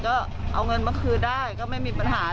ก็เอาเงินมาคืนได้ก็ไม่มีปัญหา